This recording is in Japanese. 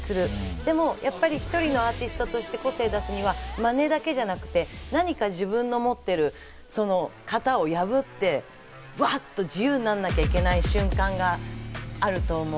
でもやっぱり１人のアーティストとして個性を出すにはマネだけじゃなくて、何か自分の持ってる型を破って、ばっと自由にならなきゃいけない瞬間があると思う。